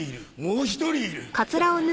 もう１人いる。